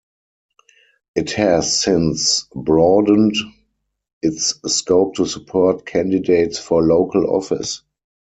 It has since broadened its scope to support candidates for local office.